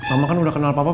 ama kan udah kenal papa